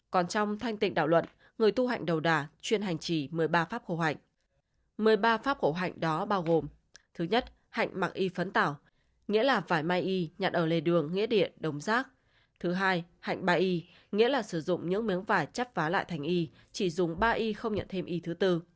còn trong thanh tịnh đạo luận người tu hành đầu đà chuyên hành chỉ một mươi ba pháp khổ hạnh